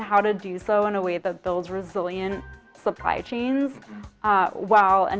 dan bagaimana cara membuat jaringan penyelenggaraan yang berkembang